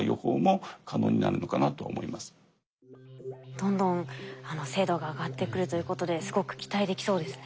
どんどん精度が上がってくるということですごく期待できそうですね。